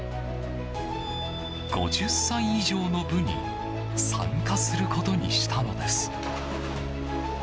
５０歳以上の部に参加することにしたのです。